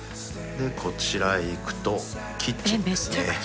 こちらへ行くとキッチンですね。